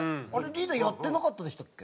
リーダーやってなかったでしたっけ？